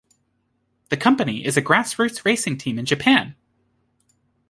The company is a grass-roots racing team in Japan.